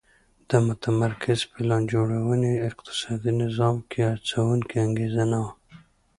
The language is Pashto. د متمرکزې پلان جوړونې اقتصادي نظام کې هڅوونکې انګېزه نه وه